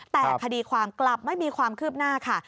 แต่คดีความกลับไม่มีความคืบหน้าค่ะ